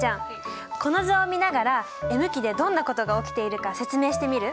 この図を見ながらＭ期でどんなことが起きているか説明してみる？